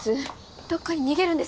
どっかに逃げるんですか？